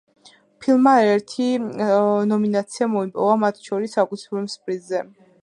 ფილმმა არაერთი ნომინაცია მოიპოვა, მათ შორის, საუკეთესო ფილმის პრიზზე.